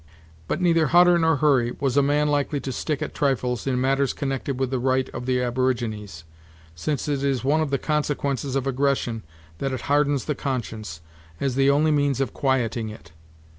But neither Hutter nor Hurry was a man likely to stick at trifles in matters connected with the right of the aborigines, since it is one of the consequences of aggression that it hardens the conscience, as the only means of quieting it.